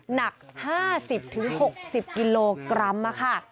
หนัก๕๐๖๐กิโลกรัมค่ะ